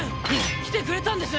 来てくれたんですね！